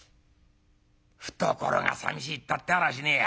懐がさみしいたってあらしねえや」。